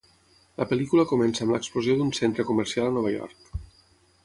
La pel·lícula comença amb l'explosió d'un centre comercial a Nova York.